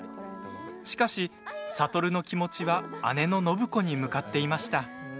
しかし、智の気持ちは姉の暢子に向かっていました。